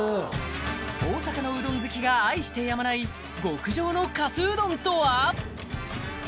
大阪のうどん好きが愛してやまない極上のかすうどんとは？